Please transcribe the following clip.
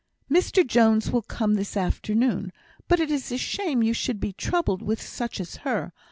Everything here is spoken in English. "Mr Jones will come this afternoon. But it is a shame you should be troubled with such as her.